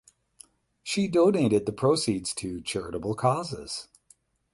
She donated the proceeds to charitable causes.